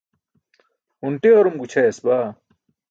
hunṭi ġar-um gućhayas baa